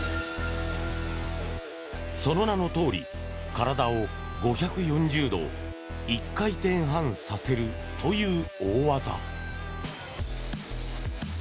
その名のとおり、体を５４０度１回転半させるという大技。